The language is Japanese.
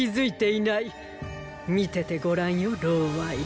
見ててごらんよ。